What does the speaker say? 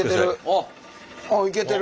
あっいけてる。